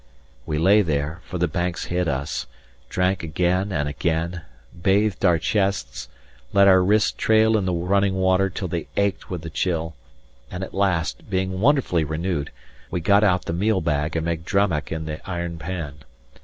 We lay there (for the banks hid us), drank again and again, bathed our chests, let our wrists trail in the running water till they ached with the chill; and at last, being wonderfully renewed, we got out the meal bag and made drammach in the iron pan.